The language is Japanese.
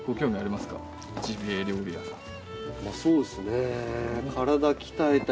まあそうですね。